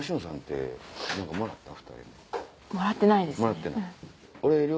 もらってないですね。